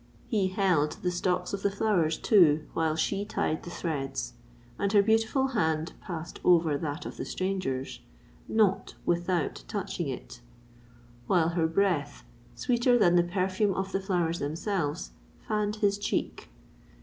He held the stalks of the flowers, too, while she tied the thread; and her beautiful hand passed over that of the stranger's—not without touching it; while her breath, sweeter than the perfume of the flowers themselves, fanned his cheek.